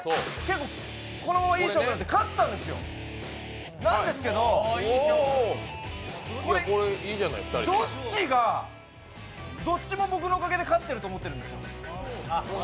いい勝負なんで、勝ったんですよ、なんですけど、どっちも僕のおかげで勝ってると思ってるんですよ。